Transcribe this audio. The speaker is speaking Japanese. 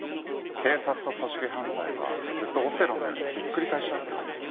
警察と組織犯罪はずっとオセロのようにひっくり返し合ってるわけです。